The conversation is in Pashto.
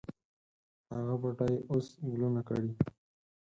هغه بوټی اوس ګلونه کړي